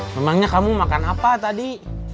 memangnya kamu makan apa tadi